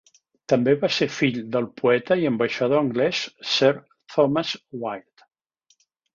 També va ser fill del poeta i ambaixador anglès Sir Thomas Wyatt.